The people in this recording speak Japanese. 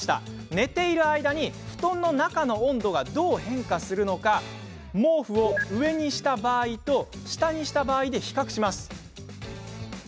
寝ている間に布団の中の温度がどう変化するのか毛布を上にした場合と下にした場合で比較します。